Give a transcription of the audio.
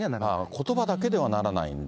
ことばだけではならないんだ。